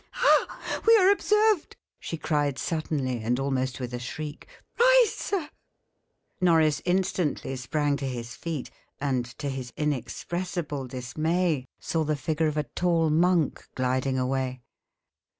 "Ah! we are observed," she cried suddenly, and almost with a shriek. "Rise, sir!" Norris instantly sprang to his feet, and, to his inexpressible dismay, saw the figure of a tall monk gliding away.